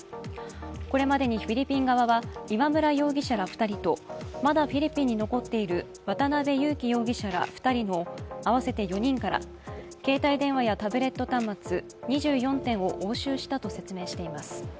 これまでにフィリピン側は今村容疑者ら２人とまだフィリピンに残っている渡辺優樹容疑者ら２人の合わせて４人から携帯電話やタブレット端末、２４点を押収したと説明しています。